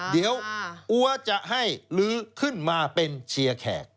เดี๋ยวอัวจะให้ลื้อขึ้นมาเป็นเชียร์แขก